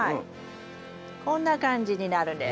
こんな感じになるんです。